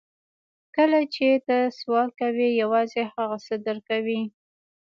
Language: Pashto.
کله چې ته سوال کوې یوازې هغه څه درکوي